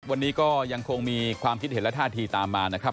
วันนี้ก็ยังคงมีความคิดเห็นและท่าทีตามมานะครับ